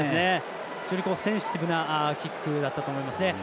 非常にセンシティブなキックだったと思いますね。